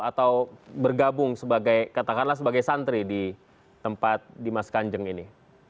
atau bergabung katakanlah sebagai santri di tempat di mas kanjeng ini